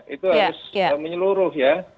itu harus menyeluruh ya